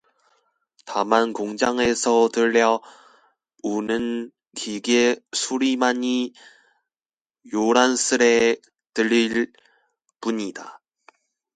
다만 공장에서 들려 오는 기계 소리만이 요란스레 들릴 뿐이다.